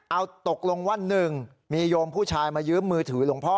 เอาตกลงว่า๑มีโยมผู้ชายมายืมมือถือหลวงพ่อ